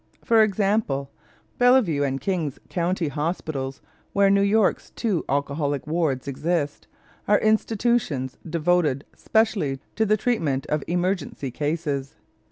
For example, Bellevue and Kings County hospitals, where New York's two "alcoholic wards" exist, are institutions devoted specially to the treatment of emergency cases.